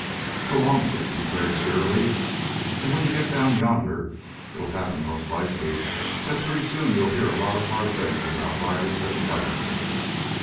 "So long," said Sinclair cheerily. "And when you get down yonder, it'll happen most likely that pretty soon you'll hear a lot of hard things about Riley Sinclair."